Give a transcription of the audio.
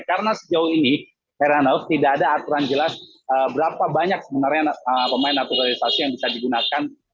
karena sejauh ini karena tidak ada aturan jelas berapa banyak sebenarnya pemain naturalisasi yang bisa digunakan